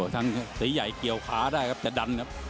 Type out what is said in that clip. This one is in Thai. ทางสีใหญ่เกี่ยวขาได้ครับจะดันครับ